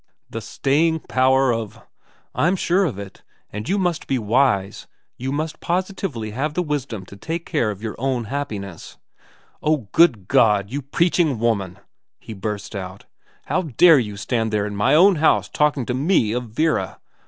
' The staying power of ?' he repeated. ' I'm sure of it. And you must be wise, you must 356 VERA xxn positively have the wisdom to take care of your own happiness '' Oh good God, you preaching woman !' he burst out. 'How dare you stand there in my own house talking to me of Vera